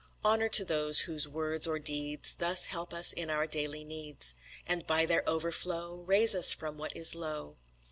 Honour to those whose words or deeds Thus help us in our daily needs, And by their overflow Raise us from what is low!